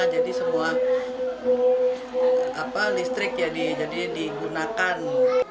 jadi semua listrik digunakan